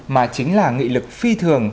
mà chính là nghị lực phi thường